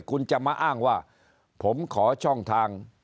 คุณจะมาอ้างว่าผมขอช่องทาง